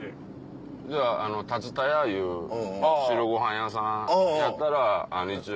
じゃあ竜田屋いう白ご飯屋さんやったら一応。